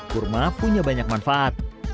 kurma punya banyak manfaat